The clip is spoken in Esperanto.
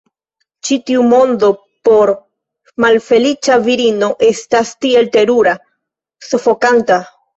Ĉi tiu mondo por malfeliĉa virino estas tiel terura, sufokanta.